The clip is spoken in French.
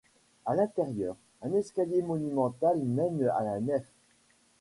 À l’intérieur, un escalier monumental mène à la nef.